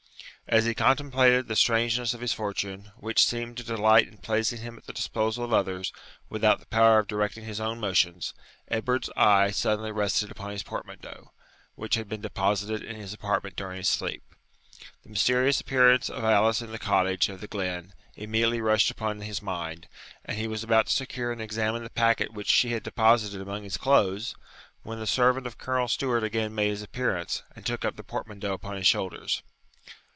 As he contemplated the strangeness of his fortune, which seemed to delight in placing him at the disposal of others, without the power of directing his own motions, Edward's eye suddenly rested upon his portmanteau, which had been deposited in his apartment during his sleep. The mysterious appearance of Alice in the cottage of the glen immediately rushed upon his mind, and he was about to secure and examine the packet which she had deposited among his clothes, when the servant of Colonel Stewart again made his appearance, and took up the portmanteau upon his shoulders.